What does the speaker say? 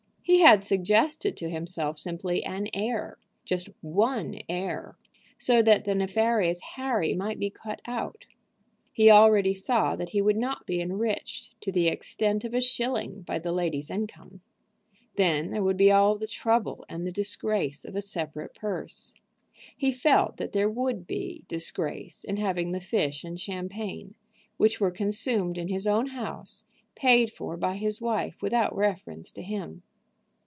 He had suggested to himself simply an heir, just one heir, so that the nefarious Harry might be cut out. He already saw that he would not be enriched to the extent of a shilling by the lady's income. Then there would be all the trouble and the disgrace of a separate purse. He felt that there would be disgrace in having the fish and champagne, which were consumed in his own house, paid for by his wife without reference to him.